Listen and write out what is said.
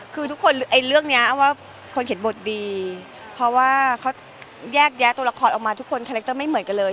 คือเรื่องนี้คนเขียนบทดีเพราะว่าแยกตัวละครออกมาทุกคนคาแรคเตอร์ไม่เหมือนกันเลย